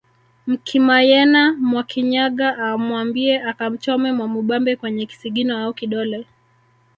Mkimayena Mwakinyaga amwambie akamchome Mwamubambe kwenye kisigino au kidole